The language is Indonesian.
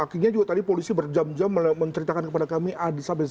akhirnya juga tadi polisi berjam jam menceritakan kepada kami a di sabe z